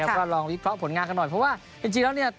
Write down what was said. แล้วก็ลองวิเคราะห์ผลงานกันหน่อยเพราะว่าจริงแล้วเนี่ย